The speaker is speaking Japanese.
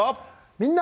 「みんな！